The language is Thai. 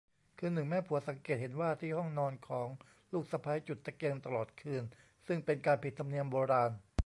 คืนหนึ่งแม่ผัวสังเกตเห็นว่าที่ห้องนอนของ ลูกสะใภ้จุดตะเกียงตลอดคืน ซึ่งเป็นการผิดธรรมเนียมโบราณ